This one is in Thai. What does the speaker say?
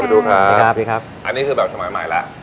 สวัสดีครับสวัสดีครับอันนี้คือแบบสมัยใหม่แล้ว